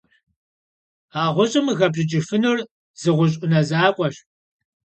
A ğuş'ım khıxepş'ıç'ıfınur zı ğuş' 'Une zakhueş.